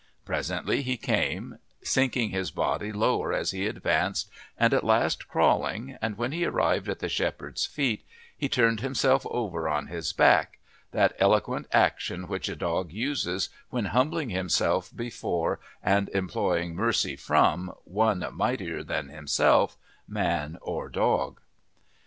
Presently he came, sinking his body lower as he advanced and at last crawling, and when he arrived at the shepherd's feet he turned himself over on his back that eloquent action which a dog uses when humbling himself before and imploring mercy from one mightier than himself, man or dog.